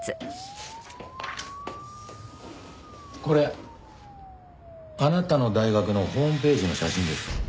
これあなたの大学のホームページの写真です。